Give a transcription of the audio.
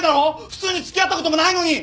普通に付き合ったこともないのに！